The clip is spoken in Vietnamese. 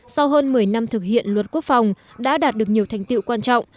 sau hơn một mươi năm thực hiện luật quốc phòng đã đạt được nhiều thành tiệu quan trọng